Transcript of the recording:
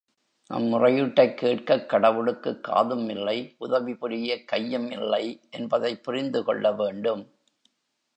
நம் முறையீட்டைக் கேட்கக் கடவுளுக்குக் காதும் இல்லை உதவி புரியக் கையும் இல்லைஎன்பதைப் புரிந்து கொள்ள வேண்டும்.